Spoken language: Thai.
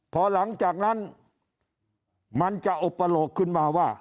พอหลังจากนั้นมันจะอุปโลกขึ้นมาว่า